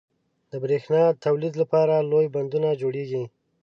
• د برېښنا د تولید لپاره لوی بندونه جوړېږي.